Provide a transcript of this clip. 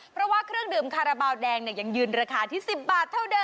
เพราะว่าเครื่องดื่มคาราบาลแดงยังยืนราคาที่๑๐บาทเท่าเดิม